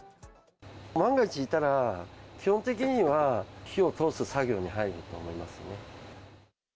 万が一いたら、基本的には火を通す作業に入ると思いますね。